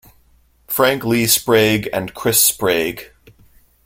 Frank Lee Sprague and Chris Sprague.